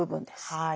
はい。